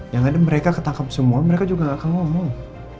yang ada mereka ketangkap semua mereka juga gak akan ngomong